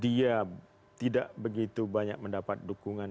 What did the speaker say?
dia tidak begitu banyak mendapat dukungan